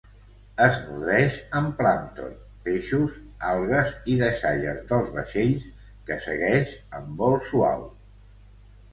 Es nodreix amb plàncton, peixos, algues i deixalles dels vaixells, que segueix amb vol suau.